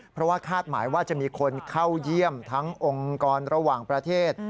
เพราะว่าคาดหมายว่าจะมีคนเข้าเยี่ยมทั้งองค์กรระหว่างประเทศ